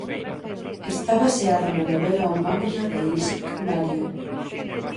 Está baseado na novela homónima de Isaac Marion.